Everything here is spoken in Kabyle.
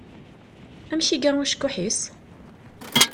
Amek iga ucekkuḥ-is?